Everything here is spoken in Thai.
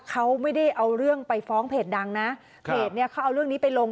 เขาไม่ได้เอาเรื่องไปฟ้องเพจดังนะเพจเนี้ยเขาเอาเรื่องนี้ไปลง